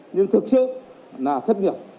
nhưng thực sự là thất nghiệp